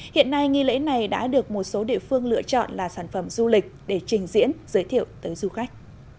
hiện nay nghi lễ này đã được một số địa phương lựa chọn là sản phẩm du lịch để trình diễn giới thiệu tới du khách